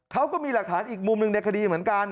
เขาก็มีหลักฐานอีกมุมหนึ่งในคดีเหมือนกัน